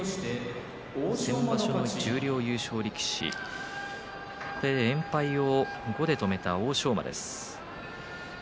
先場所の十両優勝力士連敗を５で止めた欧勝馬です。